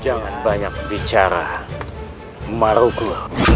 jangan banyak bicara marugul